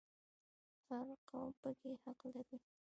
هر قوم پکې حق لري